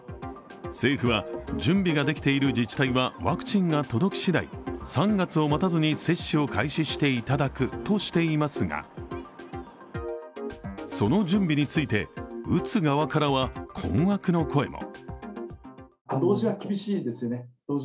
政府は、準備ができている自治体はワクチンが届きしだい３月を待たずに接種を開始していただくとしていますがその準備について、打つ側からは困惑の声も。